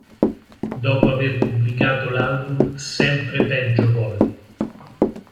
Dopo aver pubblicato l'album "Sempre Peggio Vol.